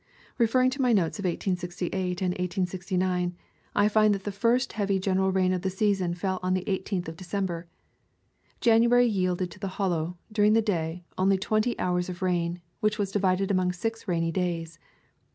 Re ferring to my notes of 1868 and 1869, I find that the first heavy general rain of the season fell on the 18th of December. January yielded to the Hollow, during the day, only twenty hours of rain, which was divided among six rainy days.